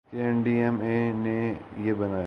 کیا N D M A نے یہ بنایا